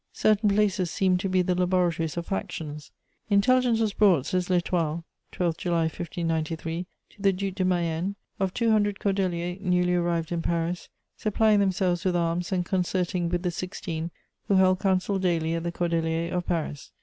Certain places seem to be the laboratories of factions: "Intelligence was brought," says L'Estoile (12 July 1593), "to the Duc de Mayenne of two hundred Cordeliers newly arrived in Paris, supplying themselves with arms and concerting with the Sixteen, who held council daily at the Cordeliers of Paris....